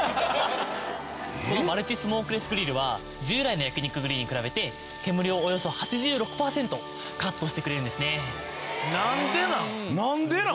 このマルチスモークレスグリルは従来の焼肉グリルに比べて煙をおよそ８６パーセントカットしてくれるんですね。